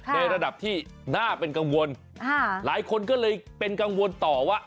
ในระดับที่น่าเป็นกังวลหลายคนก็เลยเป็นกังวลต่อว่า